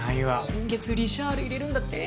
今月リシャール入れるんだって？